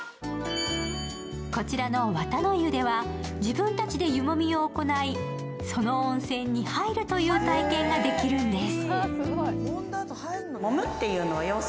こちらの、わたの湯では自分たちで湯もみを行い、その温泉に入るという体験ができるんです。